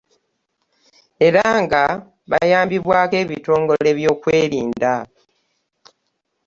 Era nga bayambibwako ebitongole by'okwerinda